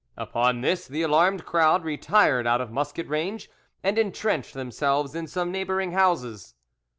Upon this the alarmed crowd retired out of musket range, and entrenched themselves in some neighbouring houses.